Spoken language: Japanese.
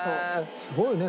すごいね。